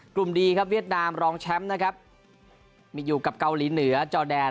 ดีครับเวียดนามรองแชมป์นะครับมีอยู่กับเกาหลีเหนือจอแดน